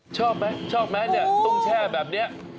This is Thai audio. ชอบไหมชอบไหมเนี่ยต้องแช่แบบนี้